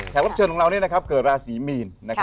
แขกรับเชิญของเรานี่นะครับเกิดราศรีมีน